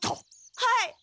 はい。